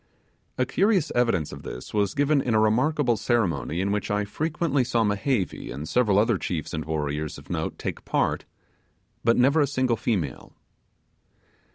A curious evidence of this was given in a remarkable ceremony in which I frequently saw Mehevi and several other chefs and warriors of note take part; but never a single female.